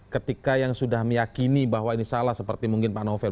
ketika yang sudah meyakini bahwa ini salah seperti mungkin pak novel